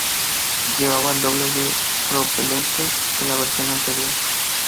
Llevaba el doble de propelente que la versión anterior.